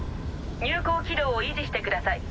入港軌道を維持してください。